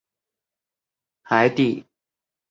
其常栖息于海底。